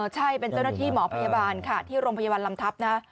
ใช่เป็นเจ้าหน้าที่หมอพยาบาลค่ะที่โรงพยาบาลลำทับนะ